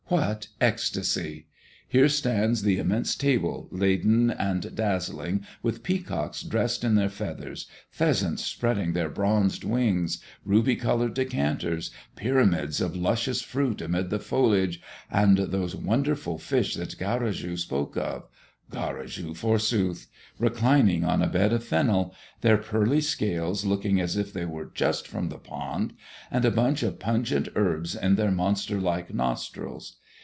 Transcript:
What ecstasy! Here stands the immense table, laden and dazzling with peacocks dressed in their feathers, pheasants spreading their bronzed wings, ruby colored decanters, pyramids of luscious fruit amid the foliage, and those wonderful fish that Garrigou spoke of (Garrigou, forsooth!) reclining on a bed of fennel, their pearly scales looking as if they were just from the pond, and a bunch of pungent herbs in their monster like nostrils.